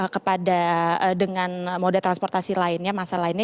kepada dengan moda transportasi lainnya masalah lainnya